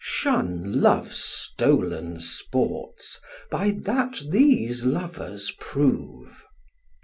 Shun love's stoln sports by that these lovers prove.